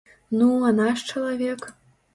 Ну, а наш чалавек?